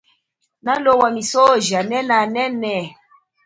Nolowa misoji anene anene.